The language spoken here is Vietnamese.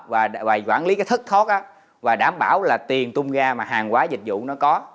đó và quản lý cái thất thoát đó và đảm bảo là tiền tung ra mà hàng quá dịch vụ nó có